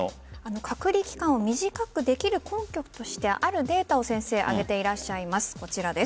隔離期間を短くできる根拠としてあるデータを挙げていらっしゃいます。